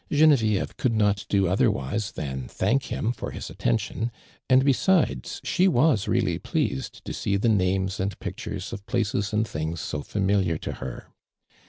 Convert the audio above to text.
Genevieve could not do otherwise than thank him for his attention, and besides, she .was really pleased to see the names and pictures of places and things so familiar to her.